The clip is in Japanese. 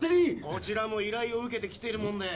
こちらも依頼を受けて来ているもんで。